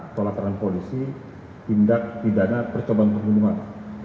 tolakkan polisi tindak pidana percobaan perlindungan